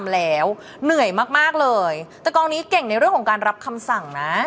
แล้วเหนื่อยมากมากเลยแต่กองนี้เก่งในเรื่องของการรับคำสั่งนะ